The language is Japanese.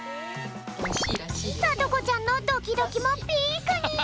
さとこちゃんのドキドキもピークに！